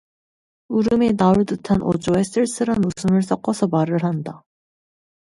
울음이 나올 듯한 어조에 쓸쓸한 웃음을 섞어서 말을 한다.